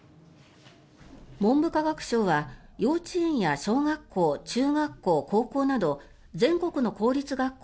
文部科学省は幼稚園や小学校中学校、高校など全国の公立学校